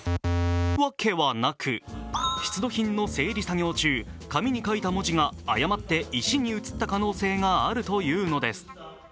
わけはなく、出土品の整理作業中紙に書いた文字が誤って石にうつった可能性があるというのです。